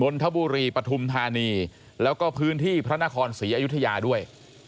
นทบุรีปฐุมธานีแล้วก็พื้นที่พระนครศรีอยุธยาด้วย